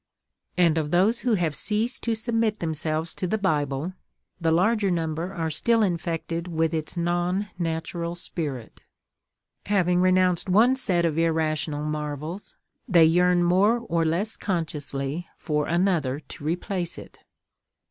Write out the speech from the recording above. And of those who have ceased to submit themselves to the Bible, the larger number are still infected with its non natural spirit; having renounced one set of irrational marvels, they yearn more or less consciously for another to replace it.